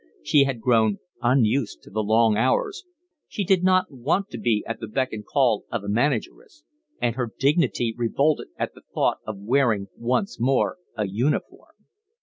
She had grown unused to the long hours, she did not want to be at the beck and call of a manageress, and her dignity revolted at the thought of wearing once more a uniform.